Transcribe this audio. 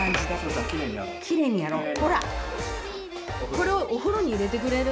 これをお風呂に入れてくれる？